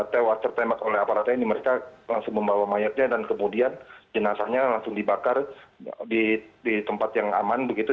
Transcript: tewas tertembak oleh aparat tni mereka langsung membawa mayatnya dan kemudian jenazahnya langsung dibakar di tempat yang aman begitu